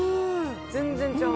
全然ちゃう。